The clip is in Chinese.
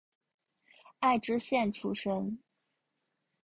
爱知县出身。